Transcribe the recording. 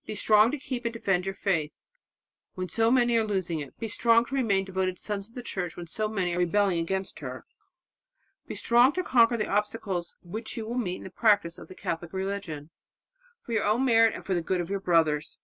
. Be strong to keep and defend your faith when so many are losing it; be strong to remain devoted sons of the Church when so many are rebelling against her ... be strong to conquer the obstacles which you will meet in the practice of the Catholic religion, for your own merit and for the good of your brothers."